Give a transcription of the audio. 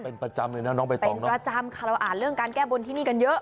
เป็นประจำเราอ่านเรื่องการแก้บนที่นี่กันเยอะ